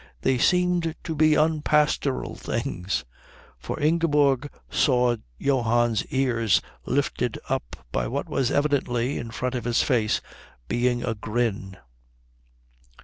They seemed to be unpastoral things, for Ingeborg saw Johann's ears lifted up by what was evidently, in the front of his face, being a grin.